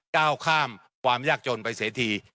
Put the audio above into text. ก้าวข้ามความยากจนไปเสียที